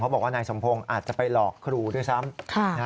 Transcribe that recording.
บอกว่านายสมพงศ์อาจจะไปหลอกครูด้วยซ้ำ